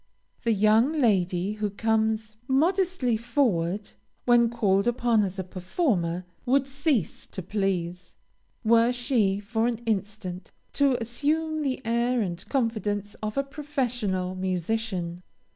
The young lady who comes modestly forward, when called upon as a performer, would cease to please, were she, for an instant, to assume the air and confidence of a professional musician.